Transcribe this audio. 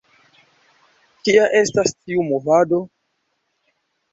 Kia estas tiu movado?